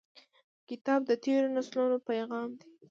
کتاب د تیرو نسلونو پیغام دی.